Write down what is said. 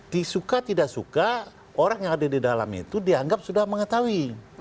disuka tidak suka orang yang ada di dalam itu dianggap sudah mengetahui